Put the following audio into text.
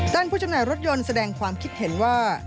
ผู้จำหน่ายรถยนต์แสดงความคิดเห็นว่า